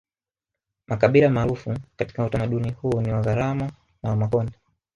Makabila maarufu katika utamaduni huu ni Wazaramo na Wamakonde